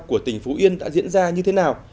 của tỉnh phú yên đã diễn ra như thế nào